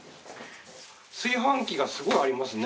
炊飯器がすごいありますね。